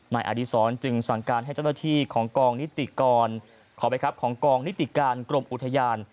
นายอดีศรจึงสั่งการให้เจ้าหน้าที่ของกองนิติกรกรมอุทยาน